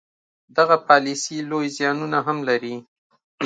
دغه پالیسي لوی زیانونه هم لري.